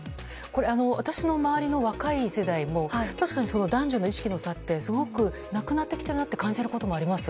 私の周りの若い世代も確かに男女の意識の差ってすごくなくなってきたなと感じることもあります。